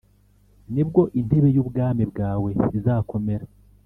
ni bwo intebe y’ubwami bwawe izakomera,